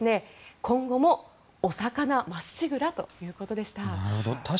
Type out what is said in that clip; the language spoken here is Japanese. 今後もお魚まっしぐらということでした。